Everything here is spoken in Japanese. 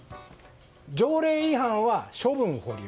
条例違反は処分保留。